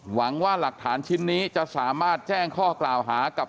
หวังว่าหลักฐานชิ้นนี้จะสามารถแจ้งข้อกล่าวหากับ